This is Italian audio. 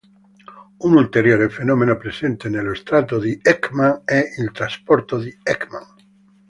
Un ulteriore fenomeno presente nello strato di Ekman è il trasporto di Ekman.